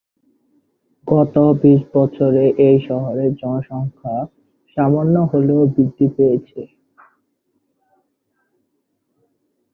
গত বিশ বছরে এই শহরের জনসংখ্যা সামান্য হলেও বৃদ্ধি পেয়েছে।